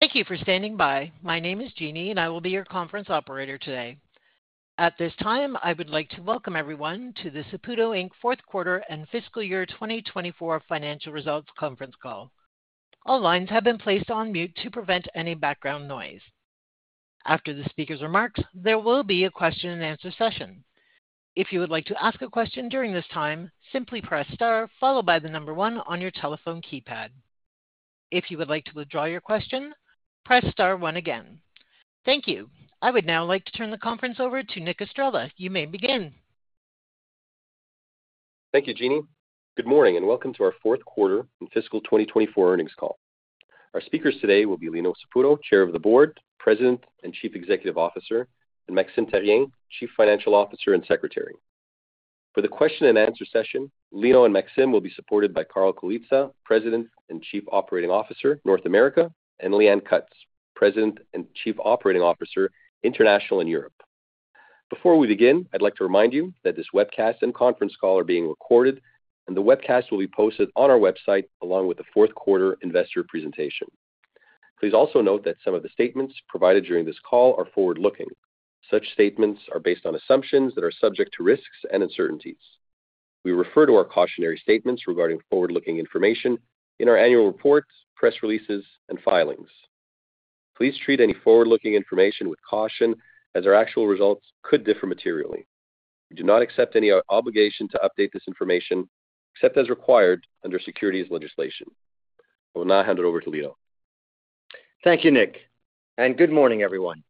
Thank you for standing by. My name is Jeannie, and I will be your conference operator today. At this time, I would like to welcome everyone to the Saputo Inc. Fourth Quarter and Fiscal Year 2024 Financial Results Conference Call. All lines have been placed on mute to prevent any background noise. After the speaker's remarks, there will be a question-and-answer session. If you would like to ask a question during this time, simply press star followed by the number one on your telephone keypad. If you would like to withdraw your question, press star one again. Thank you. I would now like to turn the conference over to Nick Estrela. You may begin. Thank you, Jeannie. Good morning and welcome to our Fourth Quarter and Fiscal 2024 Earnings Call. Our speakers today will be Lino Saputo, Chair of the Board, President and Chief Executive Officer, and Maxime Therrien, Chief Financial Officer and Secretary. For the question-and-answer session, Lino and Maxime will be supported by Carl Colizza, President and Chief Operating Officer, North America, and Leanne Cutts, President and Chief Operating Officer, International and Europe. Before we begin, I'd like to remind you that this webcast and conference call are being recorded, and the webcast will be posted on our website along with the Fourth Quarter Investor Presentation. Please also note that some of the statements provided during this call are forward-looking. Such statements are based on assumptions that are subject to risks and uncertainties. We refer to our cautionary statements regarding forward-looking information in our annual reports, press releases, and filings. Please treat any forward-looking information with caution, as our actual results could differ materially. We do not accept any obligation to update this information, except as required under securities legislation. I will now hand it over to Lino. Thank you, Nick, and good morning, everyone.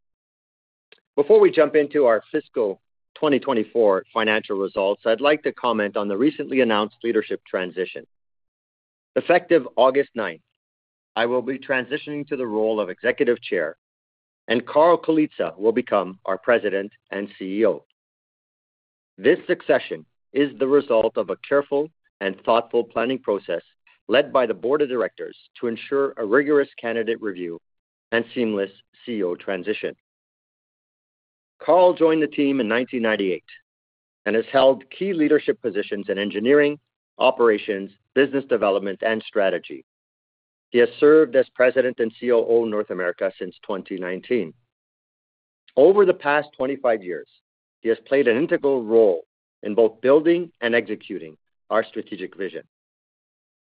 Before we jump into our Fiscal 2024 financial results, I'd like to comment on the recently announced leadership transition. Effective August 9, I will be transitioning to the role of Executive Chair, and Carl Colizza will become our President and CEO. This succession is the result of a careful and thoughtful planning process led by the Board of Directors to ensure a rigorous candidate review and seamless CEO transition. Carl joined the team in 1998 and has held key leadership positions in engineering, operations, business development, and strategy. He has served as President and COO of North America since 2019. Over the past 25 years, he has played an integral role in both building and executing our strategic vision.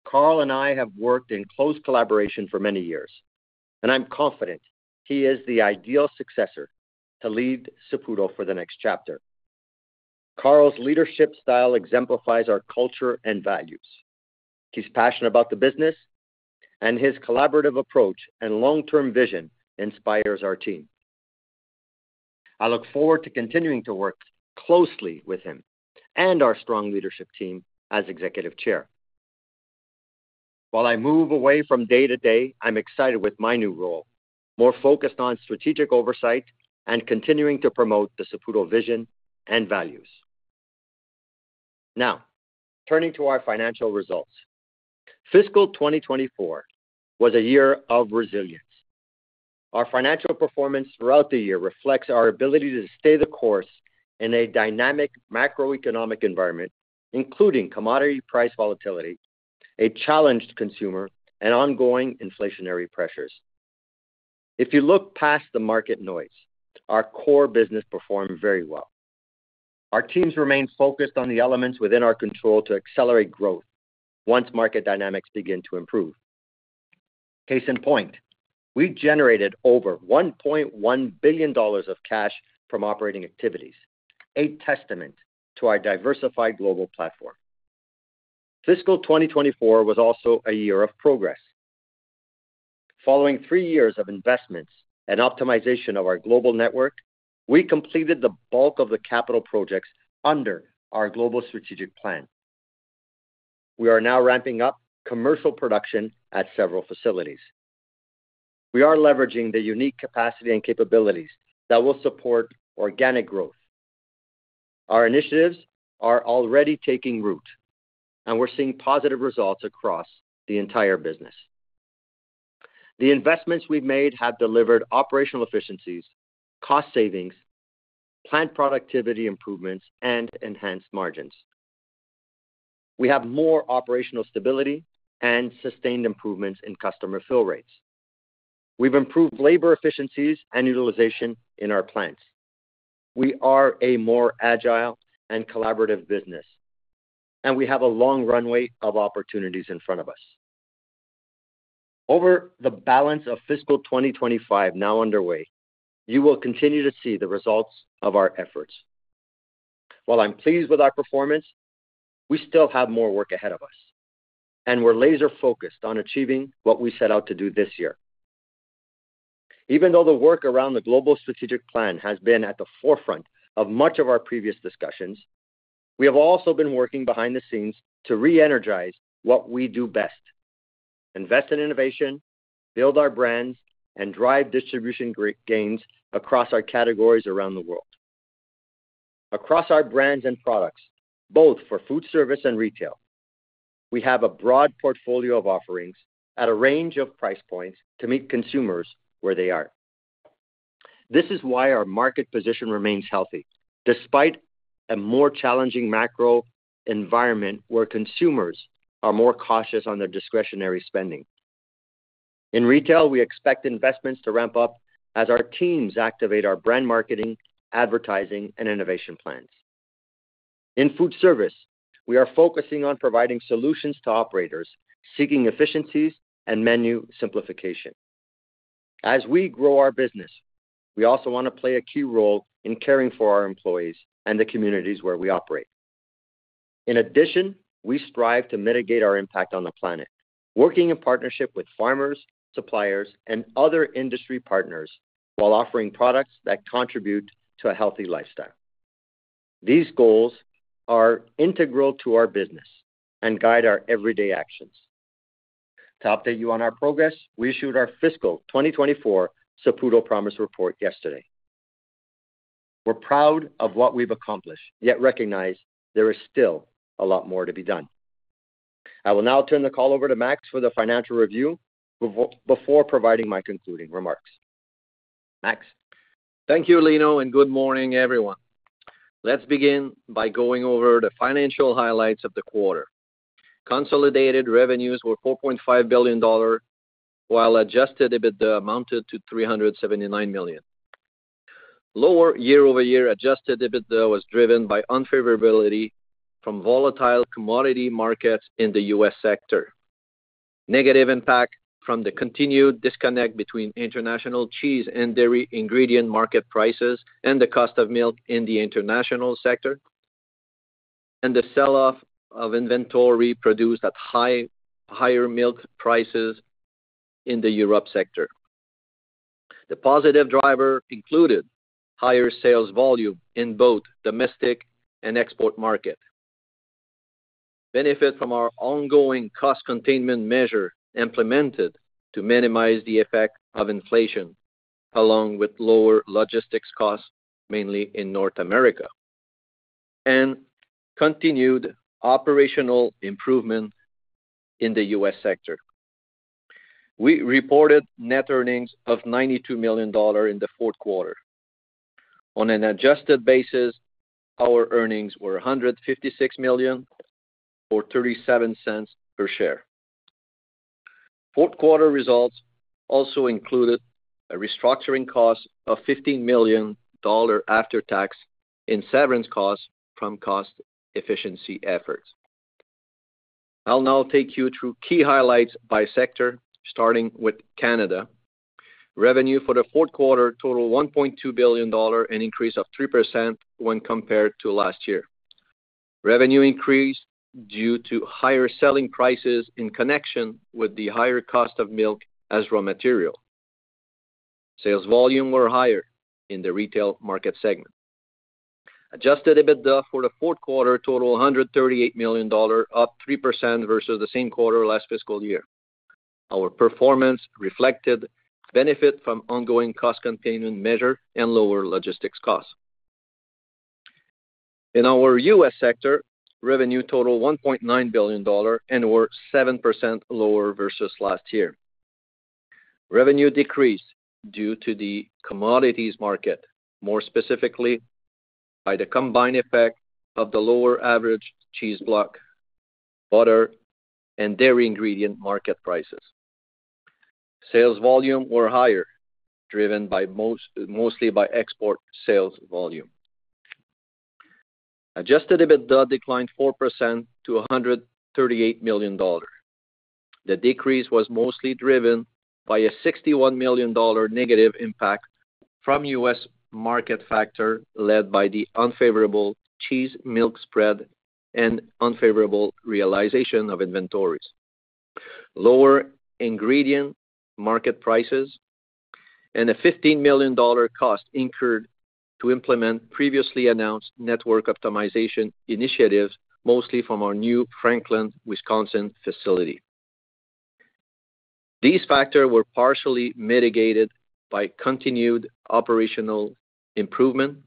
Carl and I have worked in close collaboration for many years, and I'm confident he is the ideal successor to lead Saputo for the next chapter. Carl's leadership style exemplifies our culture and values. He's passionate about the business, and his collaborative approach and long-term vision inspire our team. I look forward to continuing to work closely with him and our strong leadership team as Executive Chair. While I move away from day-to-day, I'm excited with my new role, more focused on strategic oversight and continuing to promote the Saputo vision and values. Now, turning to our financial results, Fiscal 2024 was a year of resilience. Our financial performance throughout the year reflects our ability to stay the course in a dynamic macroeconomic environment, including commodity price volatility, a challenged consumer, and ongoing inflationary pressures. If you look past the market noise, our core business performed very well. Our teams remained focused on the elements within our control to accelerate growth once market dynamics began to improve. Case in point, we generated over $1.1 billion of cash from operating activities, a testament to our diversified global platform. Fiscal 2024 was also a year of progress. Following three years of investments and optimization of our global network, we completed the bulk of the capital projects under our global strategic plan. We are now ramping up commercial production at several facilities. We are leveraging the unique capacity and capabilities that will support organic growth. Our initiatives are already taking root, and we're seeing positive results across the entire business. The investments we've made have delivered operational efficiencies, cost savings, plant productivity improvements, and enhanced margins. We have more operational stability and sustained improvements in customer fill rates. We've improved labor efficiencies and utilization in our plants. We are a more agile and collaborative business, and we have a long runway of opportunities in front of us. Over the balance of Fiscal 2025 now underway, you will continue to see the results of our efforts. While I'm pleased with our performance, we still have more work ahead of us, and we're laser-focused on achieving what we set out to do this year. Even though the work around the Global Strategic Plan has been at the forefront of much of our previous discussions, we have also been working behind the scenes to re-energize what we do best: invest in innovation, build our brands, and drive distribution gains across our categories around the world. Across our brands and products, both for food service and retail, we have a broad portfolio of offerings at a range of price points to meet consumers where they are. This is why our market position remains healthy despite a more challenging macro environment where consumers are more cautious on their discretionary spending. In retail, we expect investments to ramp up as our teams activate our brand marketing, advertising, and innovation plans. In food service, we are focusing on providing solutions to operators seeking efficiencies and menu simplification. As we grow our business, we also want to play a key role in caring for our employees and the communities where we operate. In addition, we strive to mitigate our impact on the planet, working in partnership with farmers, suppliers, and other industry partners while offering products that contribute to a healthy lifestyle. These goals are integral to our business and guide our everyday actions. To update you on our progress, we issued our Fiscal 2024 Saputo Promise Report yesterday. We're proud of what we've accomplished, yet recognize there is still a lot more to be done. I will now turn the call over to Max for the financial review before providing my concluding remarks. Max. Thank you, Lino, and good morning, everyone. Let's begin by going over the financial highlights of the quarter. Consolidated revenues were 4.5 billion dollar, while Adjusted EBITDA amounted to 379 million. Lower year-over-year Adjusted EBITDA was driven by unfavorability from volatile commodity markets in the U.S. sector, negative impact from the continued disconnect between international cheese and dairy ingredient market prices and the cost of milk in the international sector, and the sell-off of inventory produced at higher milk prices in the Europe sector. The positive driver included higher sales volume in both domestic and export markets, benefit from our ongoing cost containment measure implemented to minimize the effect of inflation, along with lower logistics costs, mainly in North America, and continued operational improvement in the U.S. sector. We reported net earnings of 92 million dollars in the fourth quarter. On an adjusted basis, our earnings were 156 million or 0.37 per share. Fourth quarter results also included a restructuring cost of 15 million dollar after tax in severance costs from cost efficiency efforts. I'll now take you through key highlights by sector, starting with Canada. Revenue for the fourth quarter totaled 1.2 billion dollars, an increase of 3% when compared to last year. Revenue increased due to higher selling prices in connection with the higher cost of milk as raw material. Sales volume were higher in the retail market segment. Adjusted EBITDA for the fourth quarter totaled $138 million, up 3% versus the same quarter last fiscal year. Our performance reflected benefit from ongoing cost containment measure and lower logistics costs. In our U.S. sector, revenue totaled $1.9 billion and were 7% lower versus last year. Revenue decreased due to the commodities market, more specifically by the combined effect of the lower average cheese block, butter, and dairy ingredient market prices. Sales volume were higher, driven mostly by export sales volume. Adjusted EBITDA declined 4% to $138 million. The decrease was mostly driven by a $61 million negative impact from U.S. market factor led by the unfavorable cheese-milk spread and unfavorable realization of inventories, lower ingredient market prices, and a $15 million cost incurred to implement previously announced network optimization initiatives, mostly from our new Franklin, Wisconsin facility. These factors were partially mitigated by continued operational improvement,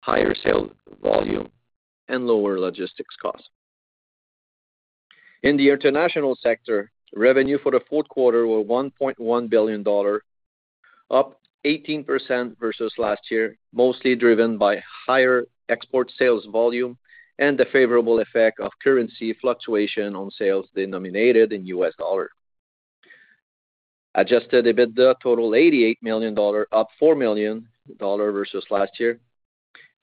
higher sales volume, and lower logistics costs. In the international sector, revenue for the fourth quarter were 1.1 billion dollar, up 18% versus last year, mostly driven by higher export sales volume and the favorable effect of currency fluctuation on sales denominated in U.S. dollar. Adjusted EBITDA totaled CAD 88 million, up 4 million dollars versus last year.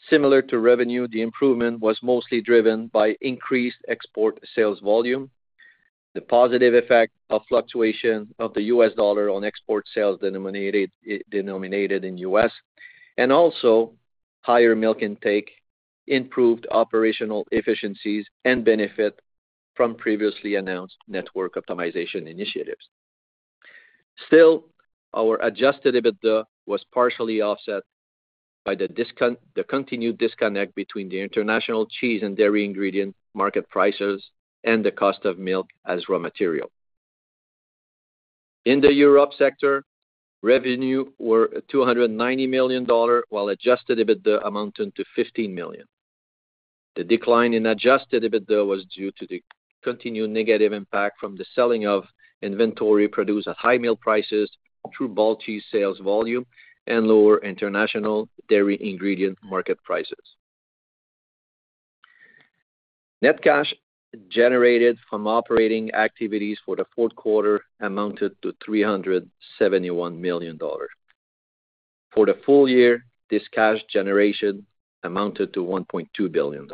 Similar to revenue, the improvement was mostly driven by increased export sales volume, the positive effect of fluctuation of the U.S. dollar on export sales denominated in U.S., and also higher milk intake, improved operational efficiencies, and benefit from previously announced network optimization initiatives. Still, our Adjusted EBITDA was partially offset by the continued disconnect between the international cheese and dairy ingredient market prices and the cost of milk as raw material. In the Europe sector, revenue were $290 million, while Adjusted EBITDA amounted to $15 million. The decline in Adjusted EBITDA was due to the continued negative impact from the selling of inventory produced at high milk prices through bulk cheese sales volume and lower international dairy ingredient market prices. Net cash generated from operating activities for the fourth quarter amounted to $371 million. For the full year, this cash generation amounted to $1.2 billion.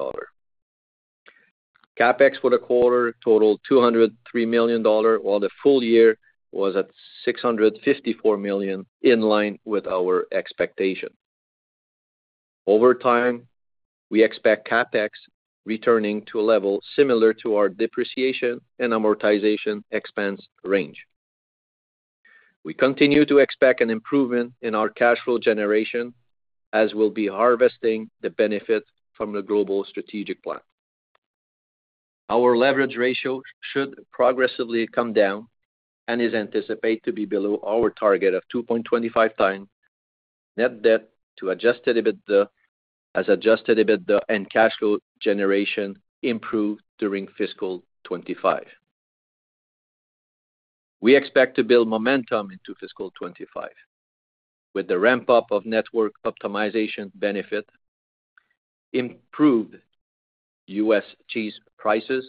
CapEx for the quarter totaled $203 million, while the full year was at $654 million, in line with our expectation. Over time, we expect CapEx returning to a level similar to our depreciation and amortization expense range. We continue to expect an improvement in our cash flow generation as we'll be harvesting the benefit from the Global Strategic Plan. Our leverage ratio should progressively come down and is anticipated to be below our target of 2.25 times net debt to Adjusted EBITDA as adjusted EBITDA and cash flow generation improved during fiscal 2025. We expect to build momentum into fiscal 2025 with the ramp-up of network optimization benefit, improved U.S. cheese prices,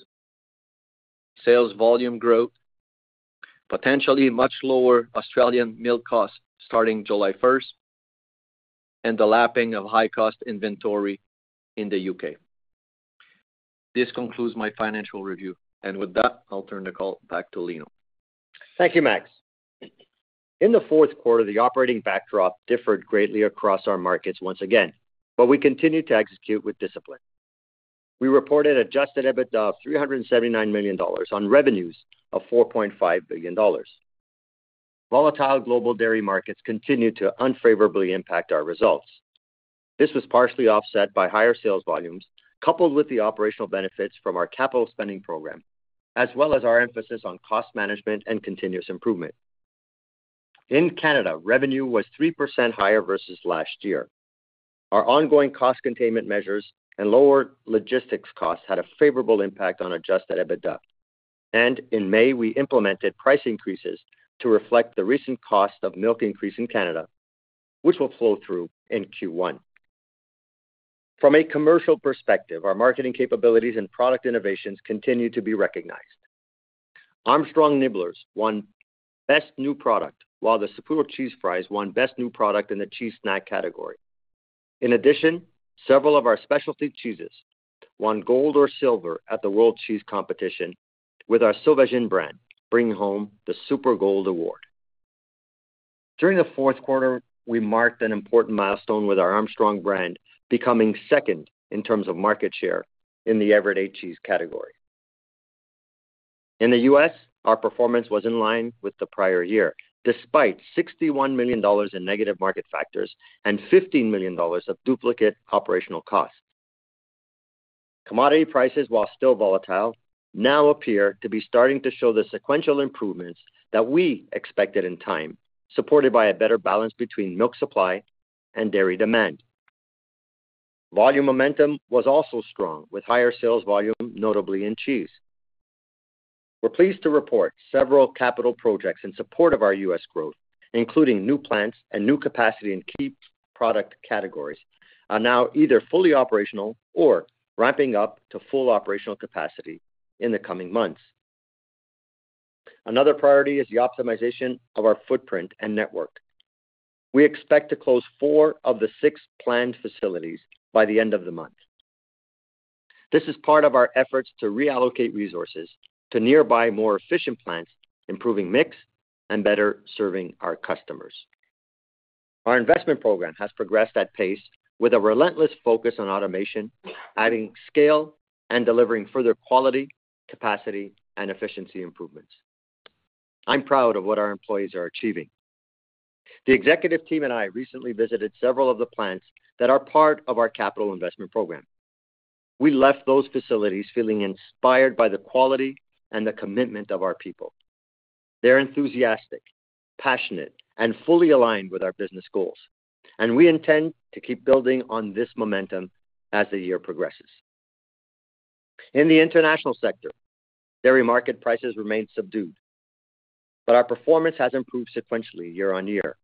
sales volume growth, potentially much lower Australian milk costs starting July 1st, and the lapping of high-cost inventory in the U.K. This concludes my financial review, and with that, I'll turn the call back to Lino. Thank you, Max. In the fourth quarter, the operating backdrop differed greatly across our markets once again, but we continue to execute with discipline. We reported Adjusted EBITDA of CAD 379 million on revenues of CAD 4.5 billion. Volatile global dairy markets continued to unfavorably impact our results. This was partially offset by higher sales volumes coupled with the operational benefits from our capital spending program, as well as our emphasis on cost management and continuous improvement. In Canada, revenue was 3% higher versus last year. Our ongoing cost containment measures and lower logistics costs had a favorable impact on Adjusted EBITDA, and in May, we implemented price increases to reflect the recent cost of milk increase in Canada, which will flow through in Q1. From a commercial perspective, our marketing capabilities and product innovations continue to be recognized. Armstrong Nibblers won Best New Product, while the Saputo Cheese Fries won Best New Product in the cheese snack category. In addition, several of our specialty cheeses won gold or silver at the World Cheese Competition with our Sauvagine brand, bringing home the Super Gold Award. During the fourth quarter, we marked an important milestone with our Armstrong brand becoming second in terms of market share in the everyday cheese category. In the U.S., our performance was in line with the prior year, despite $61 million in negative market factors and $15 million of duplicate operational costs. Commodity prices, while still volatile, now appear to be starting to show the sequential improvements that we expected in time, supported by a better balance between milk supply and dairy demand. Volume momentum was also strong, with higher sales volume, notably in cheese. We're pleased to report several capital projects in support of our U.S. growth, including new plants and new capacity in key product categories, are now either fully operational or ramping up to full operational capacity in the coming months. Another priority is the optimization of our footprint and network. We expect to close four of the six planned facilities by the end of the month. This is part of our efforts to reallocate resources to nearby, more efficient plants, improving mix and better serving our customers. Our investment program has progressed at pace with a relentless focus on automation, adding scale and delivering further quality, capacity, and efficiency improvements. I'm proud of what our employees are achieving. The executive team and I recently visited several of the plants that are part of our capital investment program. We left those facilities feeling inspired by the quality and the commitment of our people. They're enthusiastic, passionate, and fully aligned with our business goals, and we intend to keep building on this momentum as the year progresses. In the international sector, dairy market prices remain subdued, but our performance has improved sequentially year on year.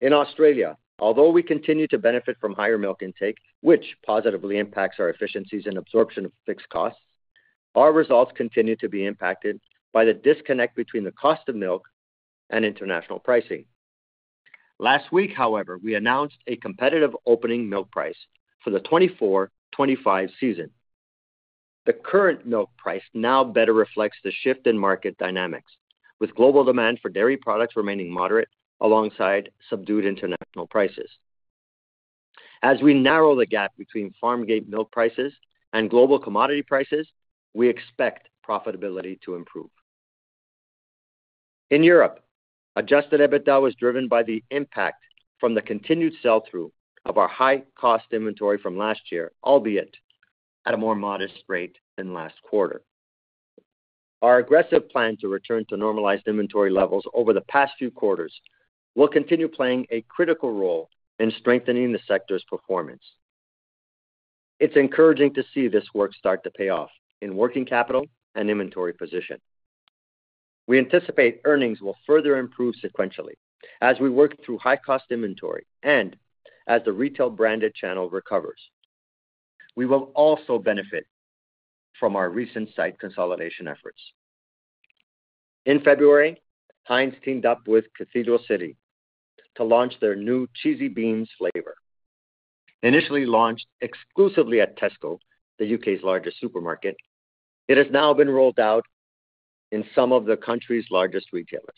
In Australia, although we continue to benefit from higher milk intake, which positively impacts our efficiencies and absorption of fixed costs, our results continue to be impacted by the disconnect between the cost of milk and international pricing. Last week, however, we announced a competitive opening milk price for the 2024-2025 season. The current milk price now better reflects the shift in market dynamics, with global demand for dairy products remaining moderate alongside subdued international prices. As we narrow the gap between farm gate milk prices and global commodity prices, we expect profitability to improve. In Europe, Adjusted EBITDA was driven by the impact from the continued sell-through of our high-cost inventory from last year, albeit at a more modest rate than last quarter. Our aggressive plan to return to normalized inventory levels over the past few quarters will continue playing a critical role in strengthening the sector's performance. It's encouraging to see this work start to pay off in working capital and inventory position. We anticipate earnings will further improve sequentially as we work through high-cost inventory and as the retail branded channel recovers. We will also benefit from our recent site consolidation efforts. In February, Heinz teamed up with Cathedral City to launch their new Cheesy Beanz flavor. Initially launched exclusively at Tesco, the U.K.'s largest supermarket, it has now been rolled out in some of the country's largest retailers.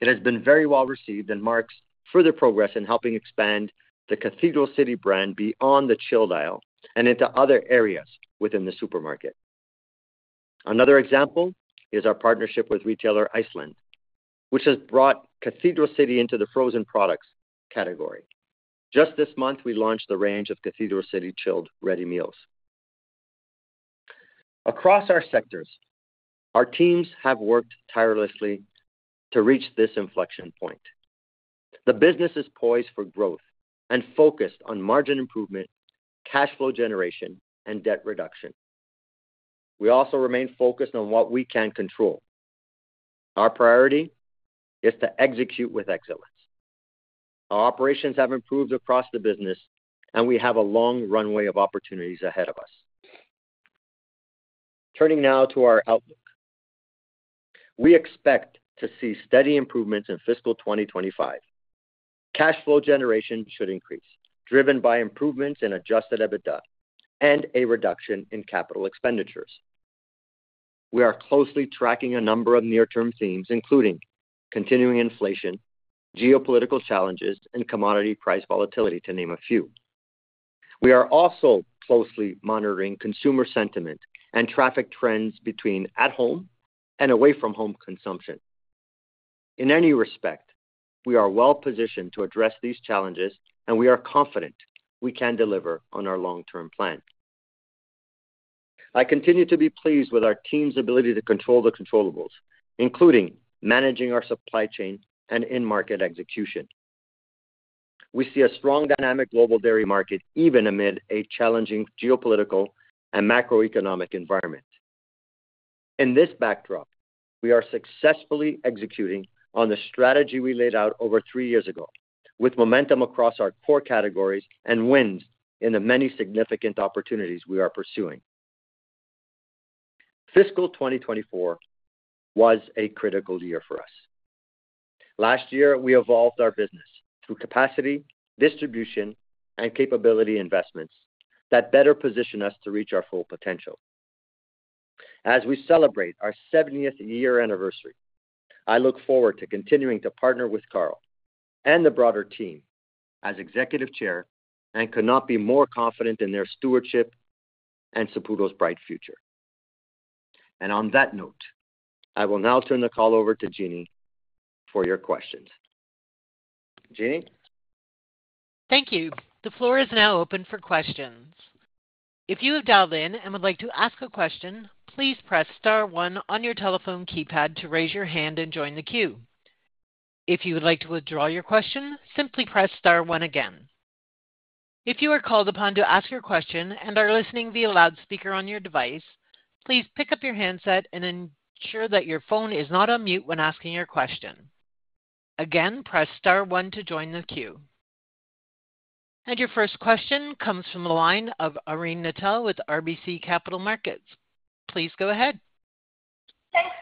It has been very well received and marks further progress in helping expand the Cathedral City brand beyond the chilled aisle and into other areas within the supermarket. Another example is our partnership with retailer Iceland, which has brought Cathedral City into the frozen products category. Just this month, we launched the range of Cathedral City chilled ready meals. Across our sectors, our teams have worked tirelessly to reach this inflection point. The business is poised for growth and focused on margin improvement, cash flow generation, and debt reduction. We also remain focused on what we can control. Our priority is to execute with excellence. Our operations have improved across the business, and we have a long runway of opportunities ahead of us. Turning now to our outlook, we expect to see steady improvements in fiscal 2025. Cash flow generation should increase, driven by improvements in Adjusted EBITDA and a reduction in capital expenditures. We are closely tracking a number of near-term themes, including continuing inflation, geopolitical challenges, and commodity price volatility, to name a few. We are also closely monitoring consumer sentiment and traffic trends between at-home and away-from-home consumption. In any respect, we are well-positioned to address these challenges, and we are confident we can deliver on our long-term plan. I continue to be pleased with our team's ability to control the controllable, including managing our supply chain and in-market execution. We see a strong dynamic global dairy market even amid a challenging geopolitical and macroeconomic environment. In this backdrop, we are successfully executing on the strategy we laid out over three years ago, with momentum across our core categories and wins in the many significant opportunities we are pursuing. Fiscal 2024 was a critical year for us. Last year, we evolved our business through capacity, distribution, and capability investments that better positioned us to reach our full potential. As we celebrate our 70th year anniversary, I look forward to continuing to partner with Carl and the broader team as Executive Chair and could not be more confident in their stewardship and Saputo's bright future. On that note, I will now turn the call over to Jeannie for your questions. Jeannie? Thank you. The floor is now open for questions. If you have dialed in and would like to ask a question, please press Star one on your telephone keypad to raise your hand and join the queue. If you would like to withdraw your question, simply press Star one again. If you are called upon to ask your question and are listening via loudspeaker on your device, please pick up your handset and ensure that your phone is not on mute when asking your question. Again, press Star one to join the queue. Your first question comes from the line of Irene Nattel with RBC Capital Markets. Please go ahead.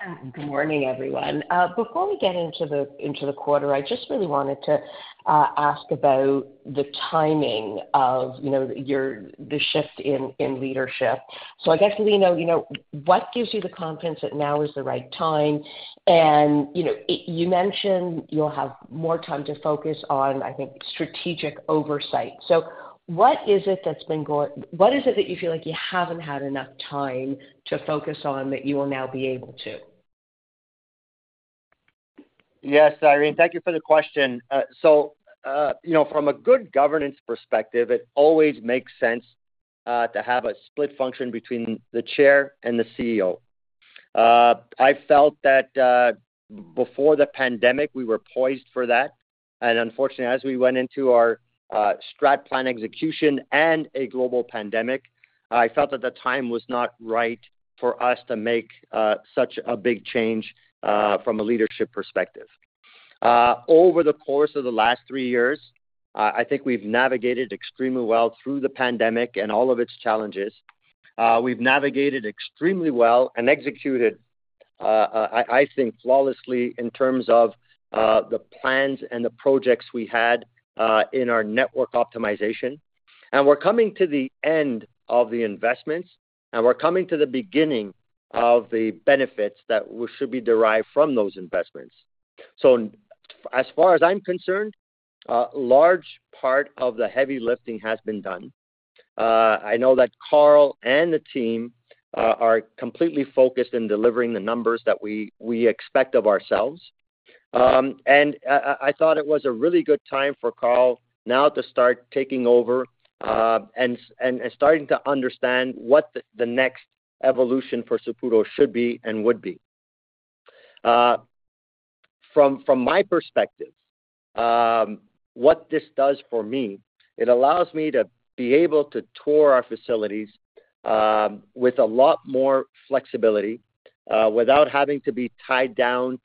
Thanks. Good morning, everyone. Before we get into the quarter, I just really wanted to ask about the timing of the shift in leadership. So I guess, Lino, what gives you the confidence that now is the right time? And you mentioned you'll have more time to focus on, I think, strategic oversight. So what is it that's been going? What is it that you feel like you haven't had enough time to focus on that you will now be able to? Yes, Irene, thank you for the question. So from a good governance perspective, it always makes sense to have a split function between the chair and the CEO. I felt that before the pandemic, we were poised for that. Unfortunately, as we went into our strat plan execution and a global pandemic, I felt that the time was not right for us to make such a big change from a leadership perspective. Over the course of the last three years, I think we've navigated extremely well through the pandemic and all of its challenges. We've navigated extremely well and executed, I think, flawlessly in terms of the plans and the projects we had in our network optimization. We're coming to the end of the investments, and we're coming to the beginning of the benefits that should be derived from those investments. So as far as I'm concerned, a large part of the heavy lifting has been done. I know that Carl and the team are completely focused in delivering the numbers that we expect of ourselves. And I thought it was a really good time for Carl now to start taking over and starting to understand what the next evolution for Saputo should be and would be. From my perspective, what this does for me, it allows me to be able to tour our facilities with a lot more flexibility without having to be tied down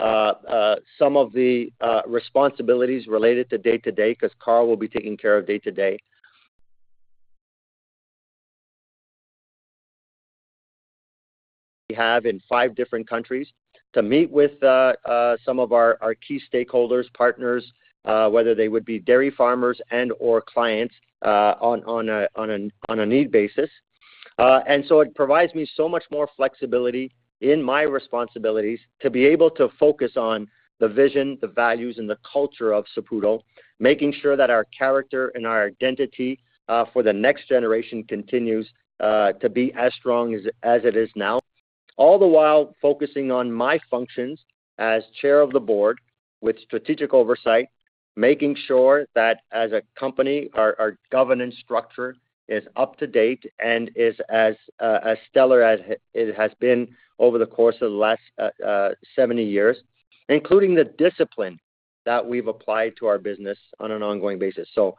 to some of the responsibilities related to day-to-day because Carl will be taking care of day-to-day. We have in five different countries to meet with some of our key stakeholders, partners, whether they would be dairy farmers and/or clients on a need basis. And so it provides me so much more flexibility in my responsibilities to be able to focus on the vision, the values, and the culture of Saputo, making sure that our character and our identity for the next generation continues to be as strong as it is now. All the while focusing on my functions as Chair of the Board with strategic oversight, making sure that as a company, our governance structure is up to date and is as stellar as it has been over the course of the last 70 years, including the discipline that we've applied to our business on an ongoing basis. So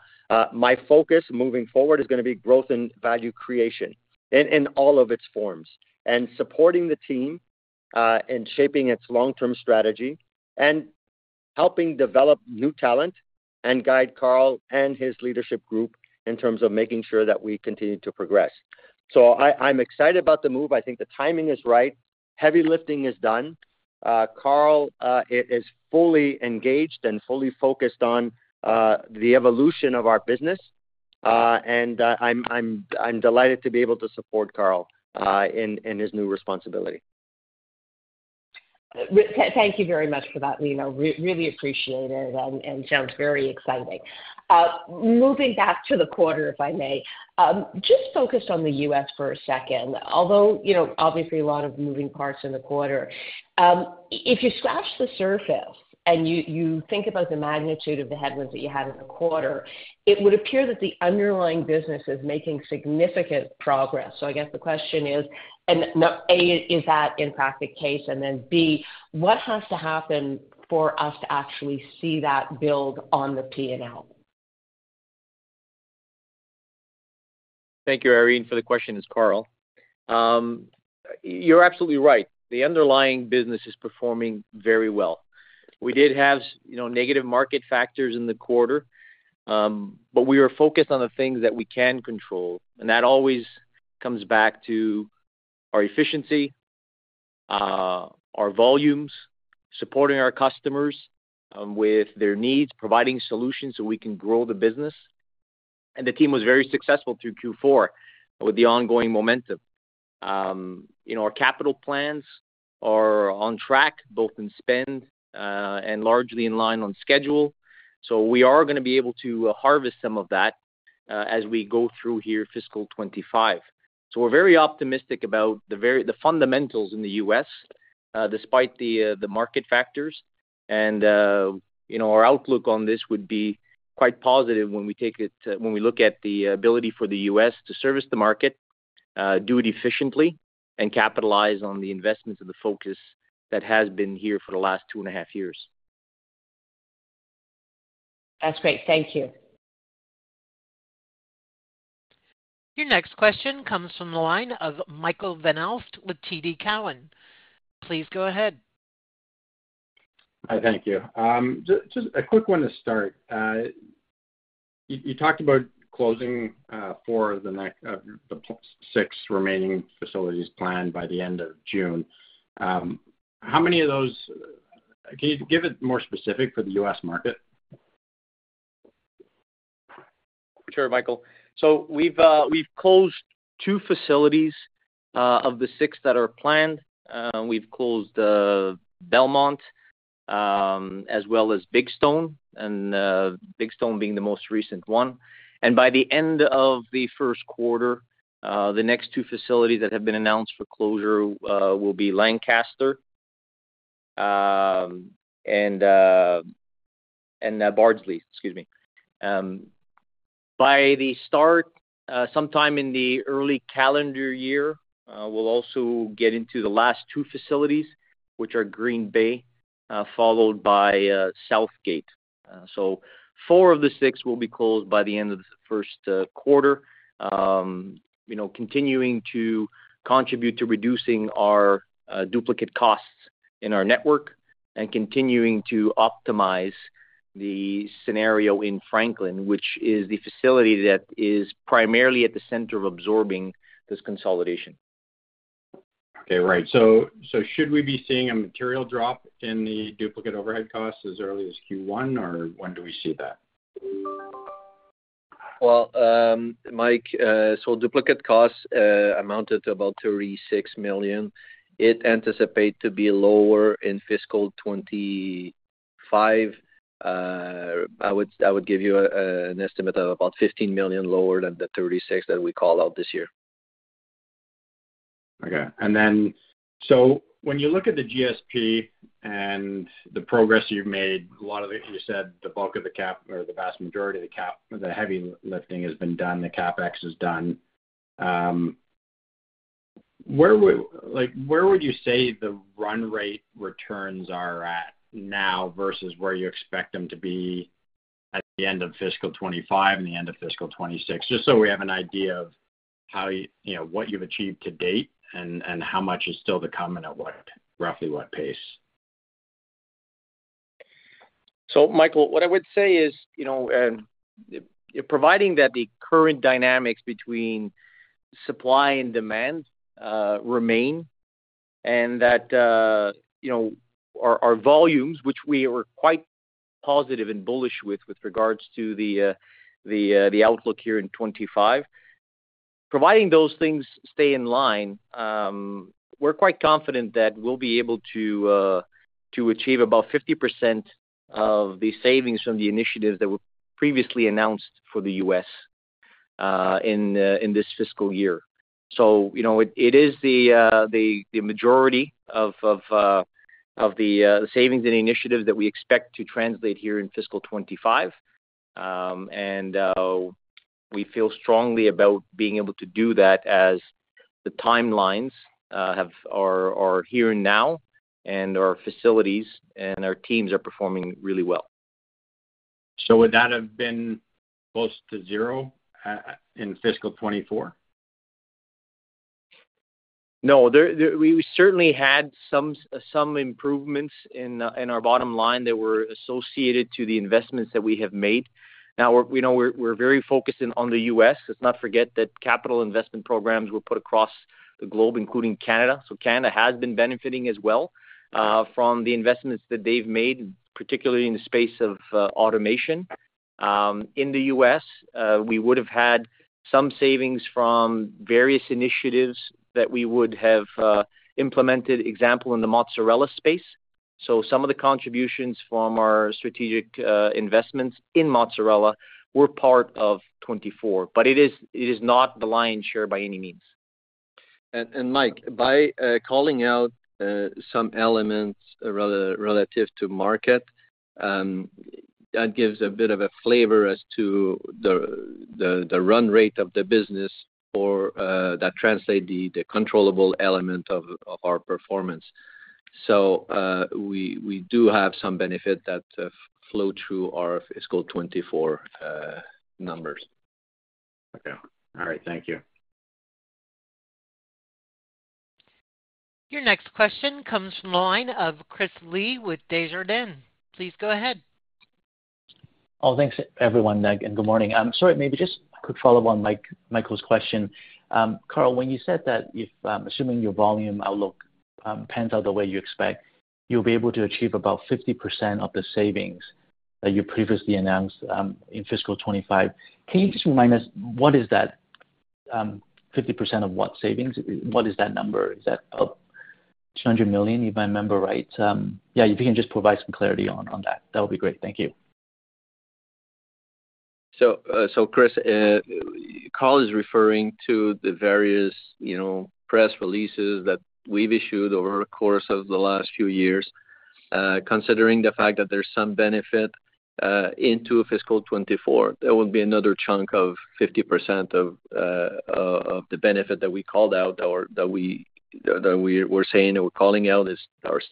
my focus moving forward is going to be growth and value creation in all of its forms and supporting the team in shaping its long-term strategy and helping develop new talent and guide Carl and his leadership group in terms of making sure that we continue to progress. So I'm excited about the move. I think the timing is right. Heavy lifting is done. Carl is fully engaged and fully focused on the evolution of our business. And I'm delighted to be able to support Carl in his new responsibility. Thank you very much for that, Lino. Really appreciate it and sounds very exciting. Moving back to the quarter, if I may, just focus on the U.S. for a second. Although obviously a lot of moving parts in the quarter, it would appear that the underlying business is making significant progress. So I guess the question is, A, is that in fact the case? And then B, what has to happen for us to actually see that build on the P&L? Thank you, Irene, for the question. It's Carl. You're absolutely right. The underlying business is performing very well. We did have negative market factors in the quarter, but we were focused on the things that we can control. That always comes back to our efficiency, our volumes, supporting our customers with their needs, providing solutions so we can grow the business. The team was very successful through Q4 with the ongoing momentum. Our capital plans are on track, both in spend and largely in line on schedule. We are going to be able to harvest some of that as we go through here fiscal 2025. We're very optimistic about the fundamentals in the U.S. despite the market factors. Our outlook on this would be quite positive when we look at the ability for the U.S. to service the market, do it efficiently, and capitalize on the investments and the focus that has been here for the last two and a half years. That's great. Thank you. Your next question comes from the line of Michael Van Aelst with TD Cowen. Please go ahead. Thank you. Just a quick one to start. You talked about closing four of the six remaining facilities planned by the end of June. How many of those can you give it more specific for the U.S. market? Sure, Michael. So we've closed two facilities of the six that are planned. We've closed Belmont as well as Big Stone, and Big Stone being the most recent one. And by the end of the first quarter, the next two facilities that have been announced for closure will be Lancaster and Barron. Excuse me. By the start, sometime in the early calendar year, we'll also get into the last two facilities, which are Green Bay, followed by South Gate. So four of the six will be closed by the end of the first quarter, continuing to contribute to reducing our duplicate costs in our network and continuing to optimize the scenario in Franklin, which is the facility that is primarily at the center of absorbing this consolidation. Okay. Right. Should we be seeing a material drop in the duplicate overhead costs as early as Q1, or when do we see that? Well, Mike, so duplicate costs amounted to about 36 million. It anticipates to be lower in fiscal 2025. I would give you an estimate of about 15 million lower than the 36 that we call out this year. Okay. When you look at the GSP and the progress you've made, a lot of it, you said the bulk of the CapEx or the vast majority of the heavy lifting has been done. The CapEx is done. Where would you say the run rate returns are at now versus where you expect them to be at the end of fiscal 2025 and the end of fiscal 2026? Just so we have an idea of what you've achieved to date and how much is still to come and at roughly what pace. So, Michael, what I would say is providing that the current dynamics between supply and demand remain and that our volumes, which we were quite positive and bullish with regards to the outlook here in 2025, providing those things stay in line, we're quite confident that we'll be able to achieve about 50% of the savings from the initiatives that were previously announced for the U.S. in this fiscal year. So it is the majority of the savings and initiatives that we expect to translate here in fiscal 2025. And we feel strongly about being able to do that as the timelines are here and now, and our facilities and our teams are performing really well. Would that have been close to zero in fiscal 2024? No. We certainly had some improvements in our bottom line that were associated to the investments that we have made. Now, we're very focused on the U.S. Let's not forget that capital investment programs were put across the globe, including Canada. So Canada has been benefiting as well from the investments that they've made, particularly in the space of automation. In the U.S., we would have had some savings from various initiatives that we would have implemented, example in the mozzarella space. So some of the contributions from our strategic investments in mozzarella were part of 2024. But it is not the lion's share by any means. And Mike, by calling out some elements relative to market, that gives a bit of a flavor as to the run rate of the business that translates the controllable element of our performance. So we do have some benefit that flowed through our fiscal 2024 numbers. Okay. All right. Thank you. Your next question comes from the line of Chris Li with Desjardins. Please go ahead. Oh, thanks, everyone, Nick. And good morning. I'm sorry, maybe just a quick follow-up on Michael's question. Carl, when you said that if assuming your volume outlook pans out the way you expect, you'll be able to achieve about 50% of the savings that you previously announced in fiscal 2025. Can you just remind us what is that 50% of what savings? What is that number? Is that 200 million, if I remember right? Yeah, if you can just provide some clarity on that, that would be great. Thank you. So Chris, Carl is referring to the various press releases that we've issued over the course of the last few years. Considering the fact that there's some benefit into fiscal 2024, there will be another chunk of 50% of the benefit that we called out that we were saying that we're calling out is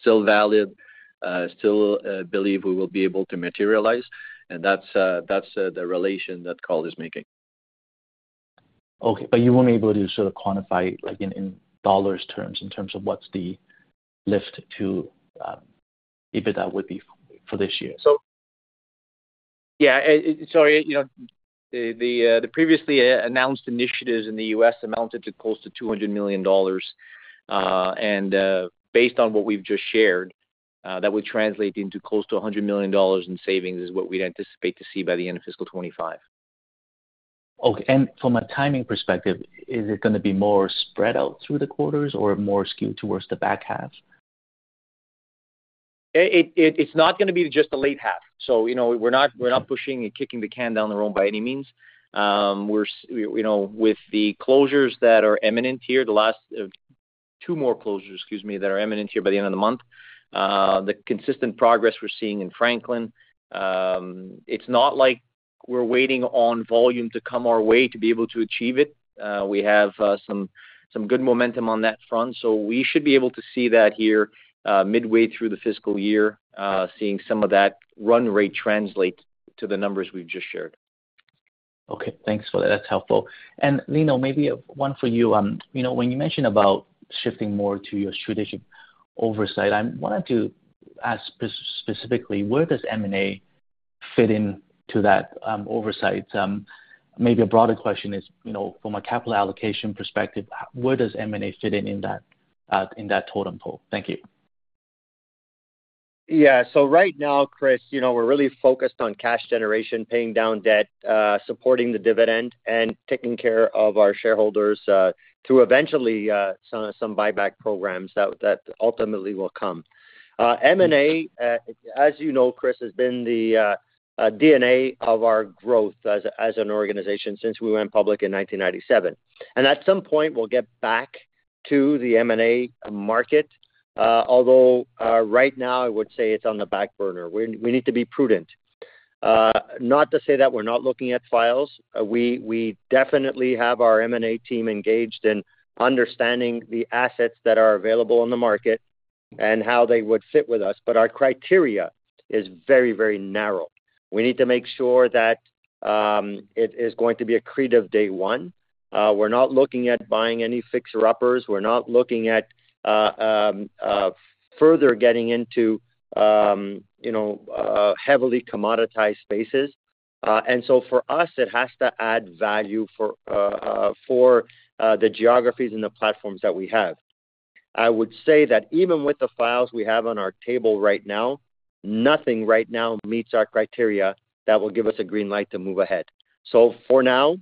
still valid, still believe we will be able to materialize. And that's the relation that Carl is making. Okay. But you won't be able to sort of quantify in dollars terms in terms of what's the lift to give it that would be for this year? So yeah, sorry. The previously announced initiatives in the U.S. amounted to close to $200 million. Based on what we've just shared, that would translate into close to $100 million in savings is what we'd anticipate to see by the end of fiscal 2025. Okay. And from a timing perspective, is it going to be more spread out through the quarters or more skewed towards the back half? It's not going to be just the latter half. So we're not pushing and kicking the can down the road by any means. With the closures that are imminent here, the last two more closures, excuse me, that are imminent here by the end of the month, the consistent progress we're seeing in Franklin, it's not like we're waiting on volume to come our way to be able to achieve it. We have some good momentum on that front. So we should be able to see that here midway through the fiscal year, seeing some of that run rate translate to the numbers we've just shared. Okay. Thanks for that. That's helpful. And Lino, maybe one for you. When you mentioned about shifting more to your strategic oversight, I wanted to ask specifically, where does M&A fit into that oversight? Maybe a broader question is, from a capital allocation perspective, where does M&A fit in that totem pole? Thank you. Yeah. So right now, Chris, we're really focused on cash generation, paying down debt, supporting the dividend, and taking care of our shareholders through eventually some buyback programs that ultimately will come. M&A, as you know, Chris, has been the D&A of our growth as an organization since we went public in 1997. And at some point, we'll get back to the M&A market, although right now, I would say it's on the back burner. We need to be prudent. Not to say that we're not looking at files. We definitely have our M&A team engaged in understanding the assets that are available on the market and how they would fit with us. But our criteria is very, very narrow. We need to make sure that it is going to be accretive day one. We're not looking at buying any fixer-uppers. We're not looking at further getting into heavily commoditized spaces. And so for us, it has to add value for the geographies and the platforms that we have. I would say that even with the files we have on our table right now, nothing right now meets our criteria that will give us a green light to move ahead. So for now,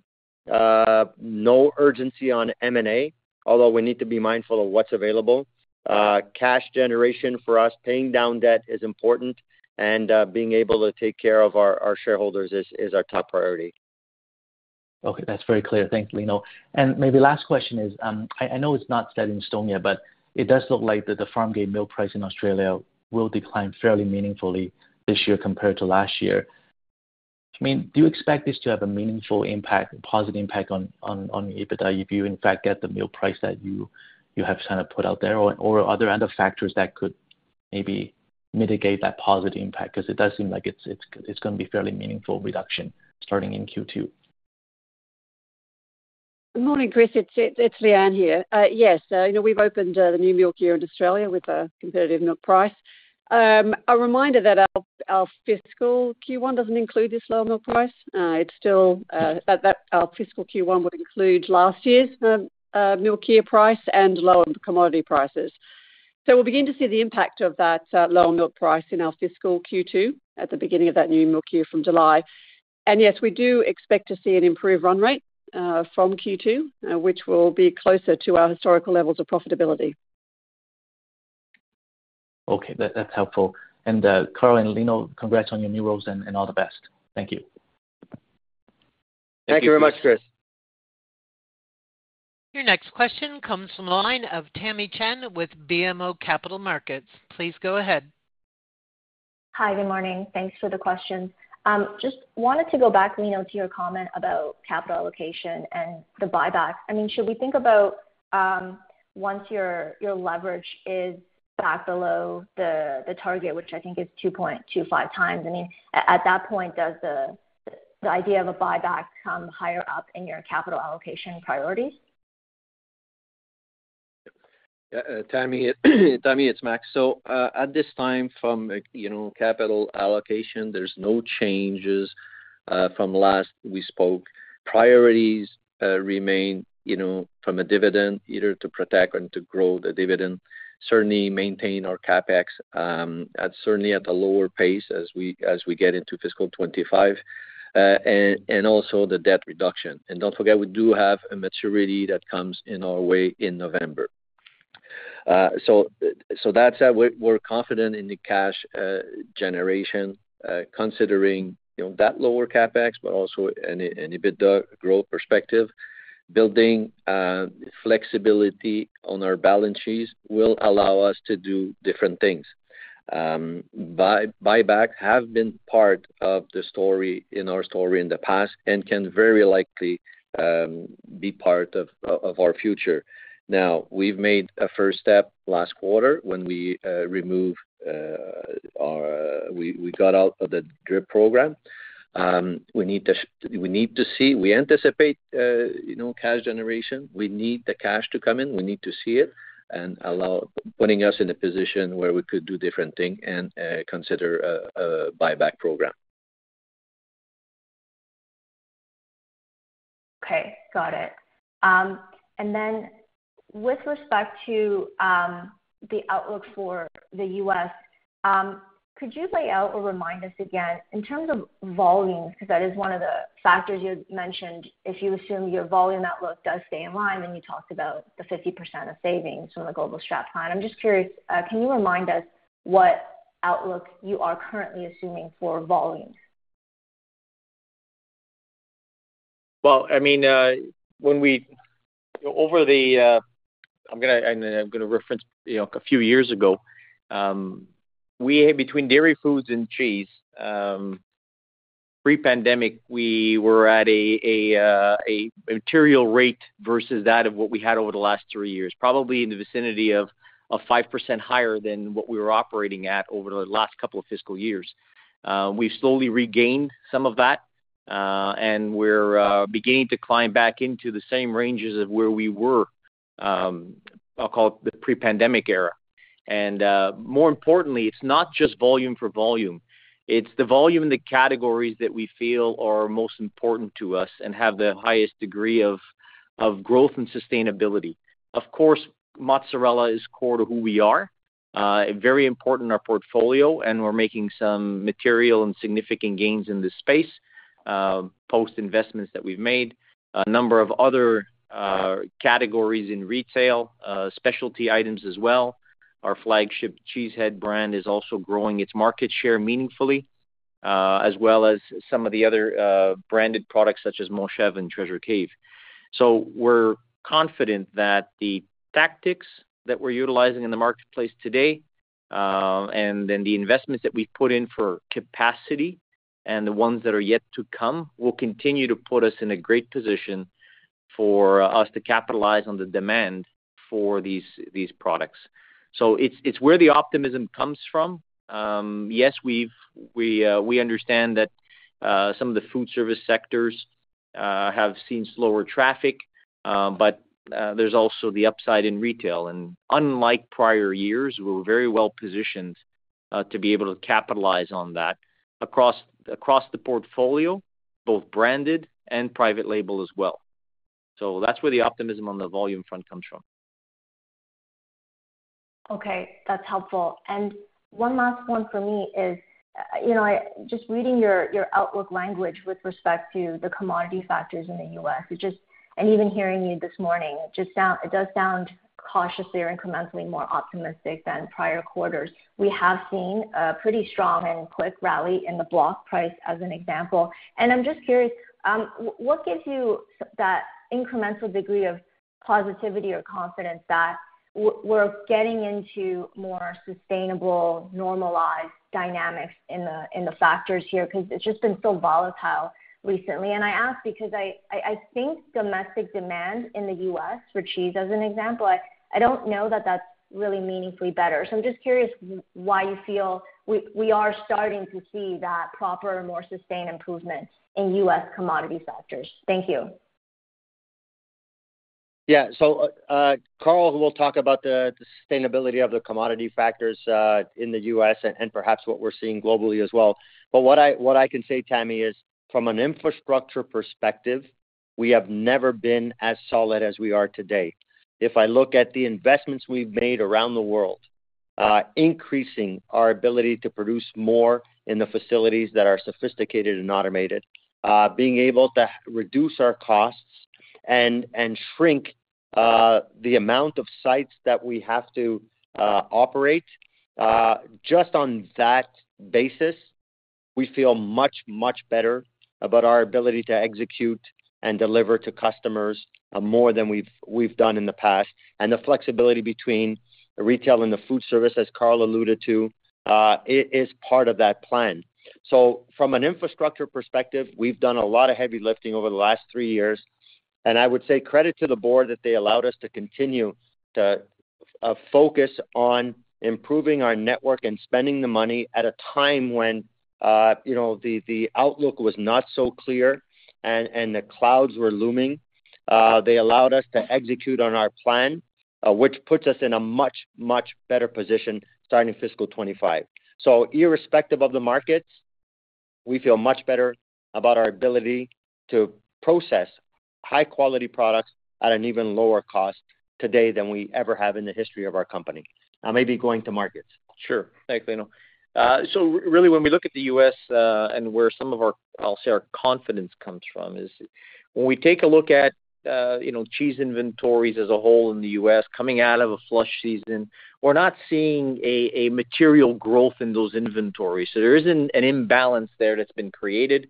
no urgency on M&A, although we need to be mindful of what's available. Cash generation for us, paying down debt is important, and being able to take care of our shareholders is our top priority. Okay. That's very clear. Thanks, Lino. And maybe last question is, I know it's not set in stone yet, but it does look like that the farm gate milk price in Australia will decline fairly meaningfully this year compared to last year. I mean, do you expect this to have a meaningful impact, a positive impact on EBITDA if you in fact get the milk price that you have kind of put out there? Or are there other factors that could maybe mitigate that positive impact? Because it does seem like it's going to be a fairly meaningful reduction starting in Q2. Good morning, Chris. It's Leanne here. Yes, we've opened the new milk year in Australia with a competitive milk price. A reminder that our fiscal Q1 doesn't include this low milk price. Our fiscal Q1 would include last year's milk year price and lower commodity prices. We'll begin to see the impact of that lower milk price in our fiscal Q2 at the beginning of that new milk year from July. Yes, we do expect to see an improved run rate from Q2, which will be closer to our historical levels of profitability. Okay. That's helpful. And Carl and Lino, congrats on your new roles and all the best. Thank you. Thank you very much, Chris. Your next question comes from the line of Tamy Chen with BMO Capital Markets. Please go ahead. Hi, good morning. Thanks for the question. Just wanted to go back, Lino, to your comment about capital allocation and the buyback. I mean, should we think about once your leverage is back below the target, which I think is 2.25 times, I mean, at that point, does the idea of a buyback come higher up in your capital allocation priorities? Tamy, it's Max. So at this time from capital allocation, there's no changes from last we spoke. Priorities remain from a dividend, either to protect or to grow the dividend, certainly maintain our CapEx at certainly at a lower pace as we get into fiscal 2025, and also the debt reduction. And don't forget, we do have a maturity that comes in our way in November. So that said, we're confident in the cash generation, considering that lower CapEx, but also an EBITDA growth perspective. Building flexibility on our balance sheets will allow us to do different things. Buybacks have been part of the story in our story in the past and can very likely be part of our future. Now, we've made a first step last quarter when we got out of the DRIP program. We need to see we anticipate cash generation. We need the cash to come in. We need to see it and putting us in a position where we could do different things and consider a buyback program. Okay. Got it. Then with respect to the outlook for the U.S., could you lay out or remind us again in terms of volumes, because that is one of the factors you mentioned, if you assume your volume outlook does stay in line, and you talked about the 50% of savings from the Global Strategic Plan, I'm just curious, can you remind us what outlook you are currently assuming for volumes? Well, I mean, I'm going to reference a few years ago, between Dairy Foods and cheese, pre-pandemic, we were at a material rate versus that of what we had over the last three years, probably in the vicinity of 5% higher than what we were operating at over the last couple of fiscal years. We've slowly regained some of that, and we're beginning to climb back into the same ranges of where we were, I'll call it the pre-pandemic era. More importantly, it's not just volume for volume. It's the volume in the categories that we feel are most important to us and have the highest degree of growth and sustainability. Of course, mozzarella is core to who we are. Very important in our portfolio, and we're making some material and significant gains in this space post-investments that we've made. A number of other categories in retail, specialty items as well. Our flagship Cheese Heads brand is also growing its market share meaningfully, as well as some of the other branded products such as Montchevre and Treasure Cave. So we're confident that the tactics that we're utilizing in the marketplace today and then the investments that we've put in for capacity and the ones that are yet to come will continue to put us in a great position for us to capitalize on the demand for these products. So it's where the optimism comes from. Yes, we understand that some of the food service sectors have seen slower traffic, but there's also the upside in retail. And unlike prior years, we're very well positioned to be able to capitalize on that across the portfolio, both branded and private label as well. That's where the optimism on the volume front comes from. Okay. That's helpful. One last one for me is just reading your outlook language with respect to the commodity factors in the U.S. Even hearing you this morning, it does sound cautiously or incrementally more optimistic than prior quarters. We have seen a pretty strong and quick rally in the block price as an example. I'm just curious, what gives you that incremental degree of positivity or confidence that we're getting into more sustainable, normalized dynamics in the factors here? Because it's just been so volatile recently. I ask because I think domestic demand in the U.S. for cheese, as an example, I don't know that that's really meaningfully better. I'm just curious why you feel we are starting to see that proper and more sustained improvement in U.S. commodity factors. Thank you. Yeah. So Carl will talk about the sustainability of the commodity factors in the U.S. and perhaps what we're seeing globally as well. But what I can say, Tamy, is from an infrastructure perspective, we have never been as solid as we are today. If I look at the investments we've made around the world, increasing our ability to produce more in the facilities that are sophisticated and automated, being able to reduce our costs and shrink the amount of sites that we have to operate, just on that basis, we feel much, much better about our ability to execute and deliver to customers more than we've done in the past. And the flexibility between retail and the food service, as Carl alluded to, is part of that plan. So from an infrastructure perspective, we've done a lot of heavy lifting over the last three years. I would say credit to the board that they allowed us to continue to focus on improving our network and spending the money at a time when the outlook was not so clear and the clouds were looming. They allowed us to execute on our plan, which puts us in a much, much better position starting fiscal 2025. Irrespective of the markets, we feel much better about our ability to process high-quality products at an even lower cost today than we ever have in the history of our company. I may be going to markets. Sure. Thanks, Lino. Really, when we look at the U.S. and where some of our, I'll say our confidence comes from, is when we take a look at cheese inventories as a whole in the U.S. coming out of a flush season, we're not seeing a material growth in those inventories. So there is an imbalance there that's been created.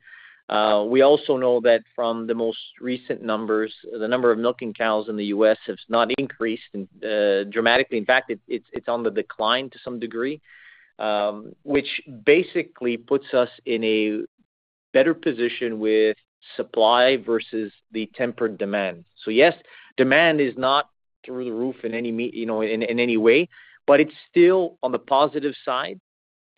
We also know that from the most recent numbers, the number of milking cows in the U.S. has not increased dramatically. In fact, it's on the decline to some degree, which basically puts us in a better position with supply versus the tempered demand. So yes, demand is not through the roof in any way, but it's still on the positive side.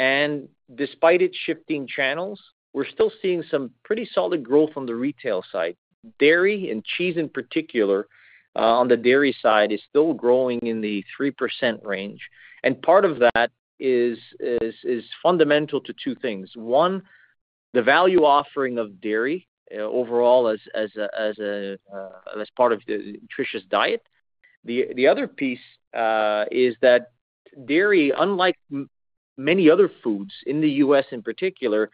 And despite it shifting channels, we're still seeing some pretty solid growth on the retail side. Dairy and cheese in particular, on the dairy side, is still growing in the 3% range. And part of that is fundamental to two things. One, the value offering of dairy overall as part of the nutritious diet. The other piece is that dairy, unlike many other foods in the U.S. In particular,